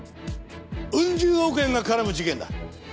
ウン十億円が絡む事件だ。